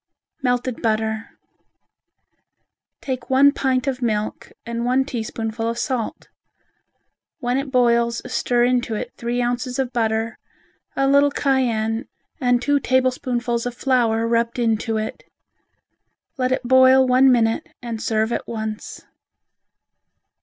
Melted Butter Take one pint of milk and one teaspoonful of salt; when it boils stir into it three ounces of butter, a little cayenne and two tablespoonfuls of flour rubbed into it. Let it boil one minute and serve at once.